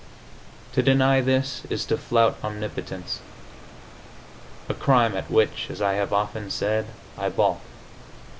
To deny this is to flout omnipotence a crime at which, as I have often said, I balk.